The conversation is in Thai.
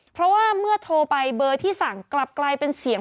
เพราะว่าเมื่อโทรไปเบอร์ที่สั่งกลับกลายเป็นเสียง